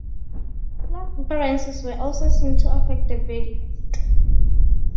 Class differences were also seen to affect the verdict.